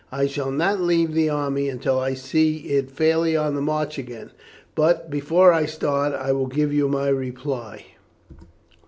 I shall not leave the army until I see it fairly on the march again, but before I start I will give you my reply."